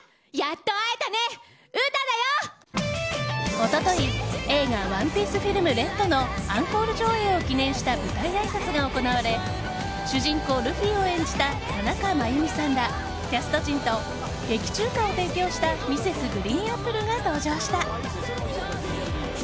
一昨日、映画「ＯＮＥＰＩＥＣＥＦＩＬＭＲＥＤ」のアンコール上映を記念した舞台あいさつが行われ主人公・ルフィを演じた田中真弓さんらキャスト陣と劇中歌を提供したＭｒｓ．ＧＲＥＥＮＡＰＰＬＥが登場した。